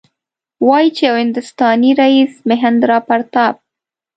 وايي چې یو هندوستانی رئیس مهیندراپراتاپ.